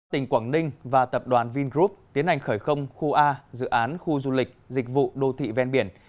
tỉnh quảng ninh và tập đoàn vingroup tiến hành khởi không khu a dự án khu du lịch dịch vụ đô thị ven biển